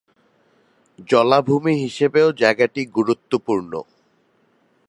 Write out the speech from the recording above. জলাভূমি হিসেবেও জায়গাটি গুরুত্বপূর্ণ।